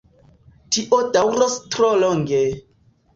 Tio daŭros tro longe!